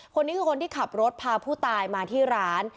คนนี้คือคนที่ขับรถพาผู้ตายมาที่ร้าน